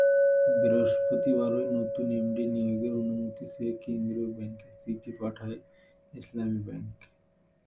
বৃহস্পতিবারই নতুন এমডি নিয়োগের অনুমতি চেয়ে কেন্দ্রীয় ব্যাংকে চিঠি পাঠায় ইসলামী ব্যাংক।